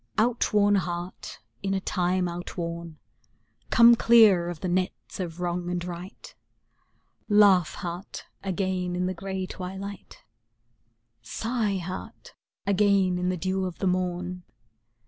Out worn heart, in a time out worn, Come clear of the nets of wrong and right ; Laugh, heart, again in the gray twilight; Sigh, heart, again in the dew of the morn.